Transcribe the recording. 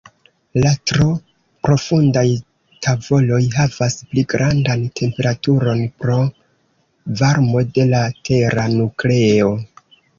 La tro profundaj tavoloj havas pli grandan temperaturon pro varmo de la tera nukleo.